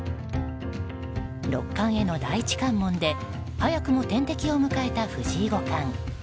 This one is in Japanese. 六冠への第一関門で早くも天敵を迎えた藤井五冠。